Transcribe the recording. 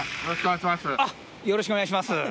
よろしくお願いします。